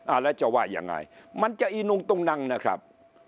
แล้วจะว่ายังไงมันจะอีนุงตุงนังนะครับ